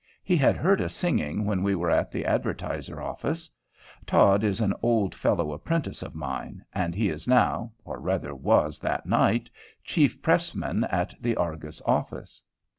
He had heard us singing when we were at the Advertiser office. Todd is an old fellow apprentice of mine, and he is now, or rather was that night, chief pressman in the Argus office.